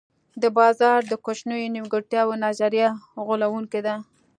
د بازار د کوچنیو نیمګړتیاوو نظریه غولوونکې ده.